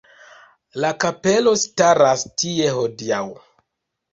La kapelo staras tie hodiaŭ.